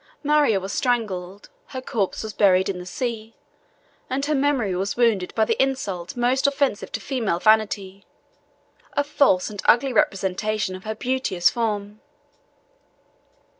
Maria was strangled, her corpse was buried in the sea, and her memory was wounded by the insult most offensive to female vanity, a false and ugly representation of her beauteous form.